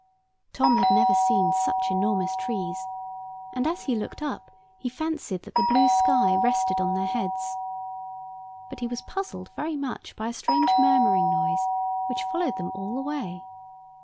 Tom had never seen such enormous trees, and as he looked up he fancied that the blue sky rested on their heads. But he was puzzled very much by a strange murmuring noise, which followed them all the way.